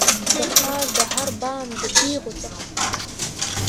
د ښار د هر بام د تېغو څخه